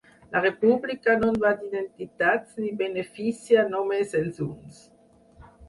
La república no va d’identitats ni beneficia només els uns.